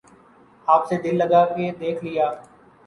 آپ سے دل لگا کے دیکھ لیا